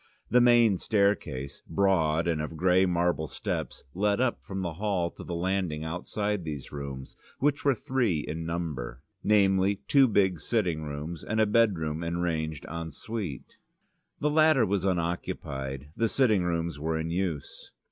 The main staircase, broad and of grey marble steps, led up from the hall to the landing outside these rooms, which were three in number, namely, two big sitting rooms and a bedroom arranged en suite. The latter was unoccupied, the sitting rooms were in use.